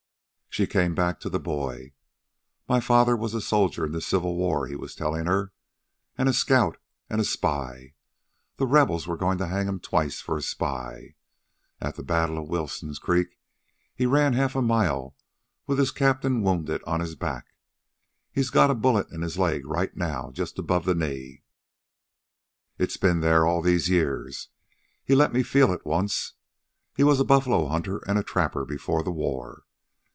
She came back to the boy. "My father was a soldier in the Civil War," he was telling her, "a scout an' a spy. The rebels were going to hang him twice for a spy. At the battle of Wilson's Creek he ran half a mile with his captain wounded on his back. He's got a bullet in his leg right now, just above the knee. It's been there all these years. He let me feel it once. He was a buffalo hunter and a trapper before the war.